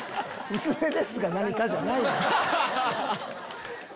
「薄めですがなにか」じゃない。